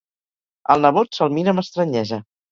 El nebot se'l mira amb estranyesa.